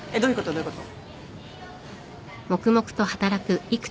どういうこと？